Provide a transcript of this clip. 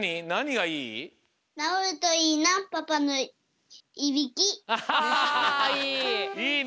いいね！